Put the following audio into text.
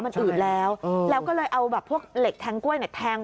มันอืดแล้วแล้วก็เลยเอาแบบพวกเหล็กแทงกล้วยเนี่ยแทง